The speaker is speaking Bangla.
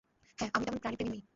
হ্যাঁ, আমি তেমন প্রাণীপ্রেমী নই।